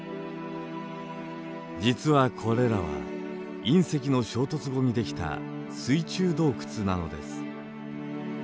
実はこれらは隕石の衝突後にできた水中洞窟なのです。